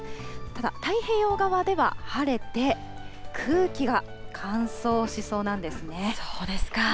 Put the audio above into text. ただ、太平洋側では晴れて、空気が乾燥しそうなんですね。